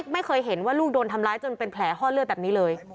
ไม่เคยเห็นว่าลูกโดนทำร้ายจนเป็นแผลห้อเลือดแบบนี้เลย